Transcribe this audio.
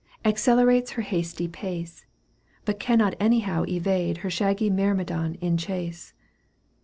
Accelerates her hasty pace, • But cannot anyhow evade Her shaggy myrmidon in chase.